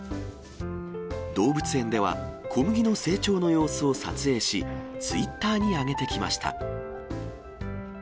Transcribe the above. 動物園では、こむぎの成長の様子を撮影し、ツイッターに上げてきました。